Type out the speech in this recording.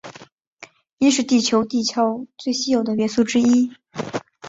铱是地球地壳中最稀有的元素之一。